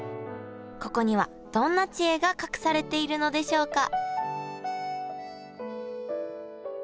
ここにはどんな知恵が隠されているのでしょうか？